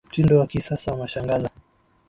Mtindo wa kisasa unashangaza